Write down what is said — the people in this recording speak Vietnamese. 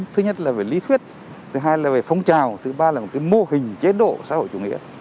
thứ nhất là về lý thuyết thứ hai là về phong trào thứ ba là một mô hình chế độ xã hội chủ nghĩa